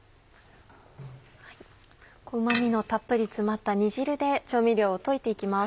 うま味のたっぷり詰まった煮汁で調味料を溶いて行きます。